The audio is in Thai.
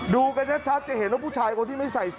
ดูกันชัดจะเห็นว่าผู้ชายคนที่ไม่ใส่เสื้อ